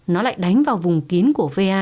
nó lại đánh vào vùng kín của va